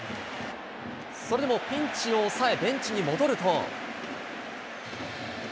それでもピンチを抑え、ベンチに戻ると。